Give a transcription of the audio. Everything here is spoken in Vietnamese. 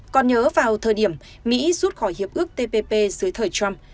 còn nhớ vào thời điểm mỹ rút khỏi hiệp ước tpp dưới thời trump